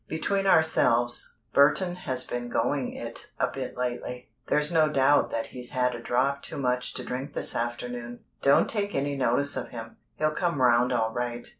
"Between ourselves, Burton has been going it a bit lately. There's no doubt that he's had a drop too much to drink this afternoon. Don't take any notice of him. He'll come round all right.